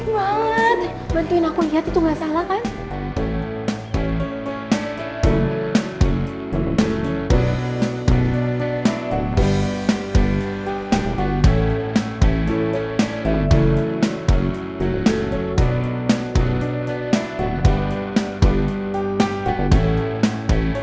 waduh cantik banget